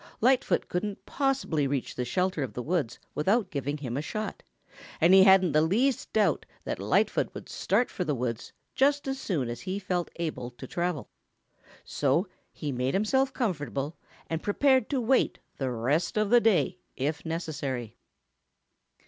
Lightfoot couldn't possibly reach the shelter of the woods without giving him a shot, and he hadn't the least doubt that Lightfoot would start for the woods just as soon as he felt able to travel. So he made himself comfortable and prepared to wait the rest of the day, if necessary.